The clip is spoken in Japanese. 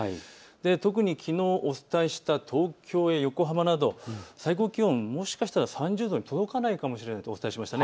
特にきのうお伝えした東京や横浜など最高気温、もしかしたら３０度に届かないかもしれないとお伝えしました。